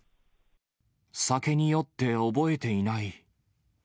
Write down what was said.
酒に酔って覚えていない。